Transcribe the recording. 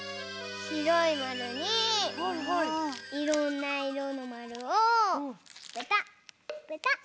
しろいまるにいろんないろのまるをペタッペタッ。